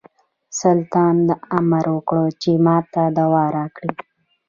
سلطان امر وکړ چې ماته دوا راکړي.